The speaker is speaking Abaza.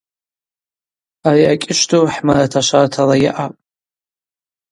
Ари Акӏьышвду хӏмараташвартала йаъапӏ.